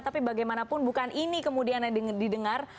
tapi bagaimanapun bukan ini kemudian yang didengar